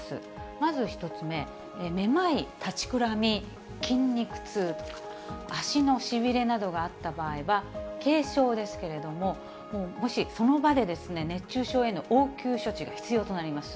まず１つ目、めまい、立ちくらみ、筋肉痛、足のしびれなどがあった場合は軽症ですけれども、もし、その場で、熱中症への応急処置が必要となります。